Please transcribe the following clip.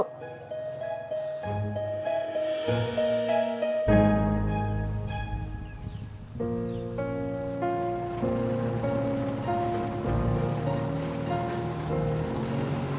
nanti aku akan jalan